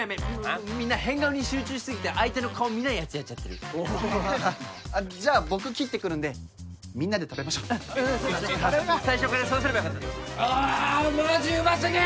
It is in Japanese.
みんな変顔に集中しすぎて相手の顔見ないやつやっちゃってるじゃあ僕切ってくるんでみんなで食べましょうそうしよ最初からそうすればよかったあマジうますぎ！